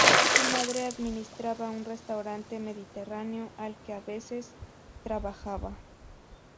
Su madre administraba un restaurante mediterráneo al que a veces trabajaba.